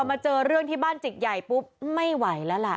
มาเจอเรื่องที่บ้านจิกใหญ่ปุ๊บไม่ไหวแล้วล่ะ